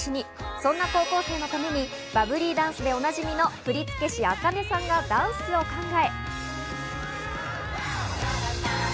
そんな高校生のためにバブリーダンスでおなじみの振付師・ａｋａｎｅさんがダンスを考え。